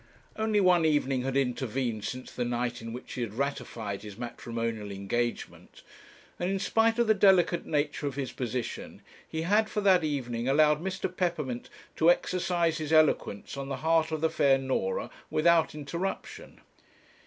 Only one evening had intervened since the night in which he had ratified his matrimonial engagement, and in spite of the delicate nature of his position he had for that evening allowed Mr. Peppermint to exercise his eloquence on the heart of the fair Norah without interruption.